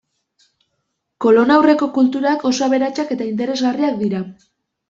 Kolonaurreko kulturak oso aberatsak eta interesgarriak dira.